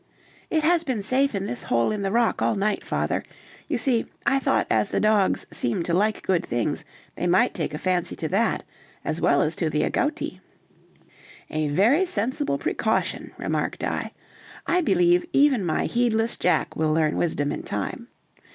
"It has been safe in this hole in the rock all night, father. You see, I thought, as the dogs seem to like good things, they might take a fancy to that, as well as to the agouti." "A very sensible precaution," remarked I. "I believe even my heedless Jack will learn wisdom in time.